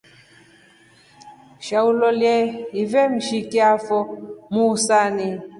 Sha ulolie ife na mshiki afo muhusani.